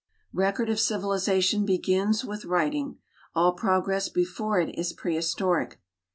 Kecord of civilization begins with writing : all progress before it is prehistoric.